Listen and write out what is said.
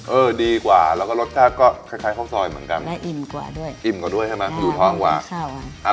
เออดีกว่าแล้วก็รสชาติก็คล้ายคล้ายข้าวซอยเหมือนกันน่าอิ่มกว่าด้วยอิ่มกว่าด้วยใช่ไหมอยู่ท้องกว่าใช่ค่ะ